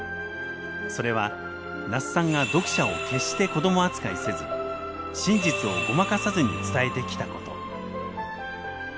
それは那須さんが読者を決して子ども扱いせず真実をごまかさずに伝えてきたこと。